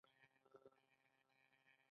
سرحدونه د افغانانو د ګټورتیا برخه ده.